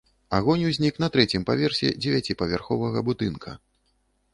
Агонь узнік на трэцім паверсе дзевяціпавярховага будынка.